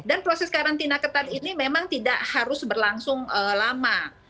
dan proses karantina ketat ini memang tidak harus berlangsung lama